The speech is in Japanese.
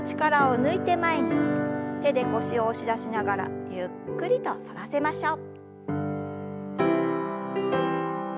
手で腰を押し出しながらゆっくりと反らせましょう。